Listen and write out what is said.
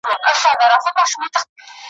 څرنګه چي شعر مخاطب لري .